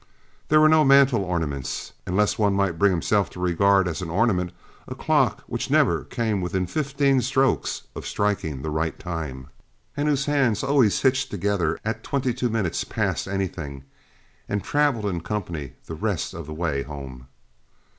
There were no mantel ornaments, unless one might bring himself to regard as an ornament a clock which never came within fifteen strokes of striking the right time, and whose hands always hitched together at twenty two minutes past anything and traveled in company the rest of the way home.